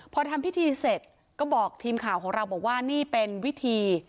พอทำพิธีเสร็จก็บอกทีมข่าวของเราบอกว่านี่เป็นวิธี